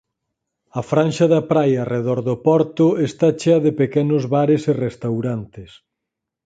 A franxa da praia arredor do porto está chea de pequenos bares e restaurantes.